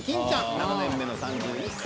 ７年目の３１歳。